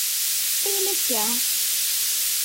Ayyen akka!?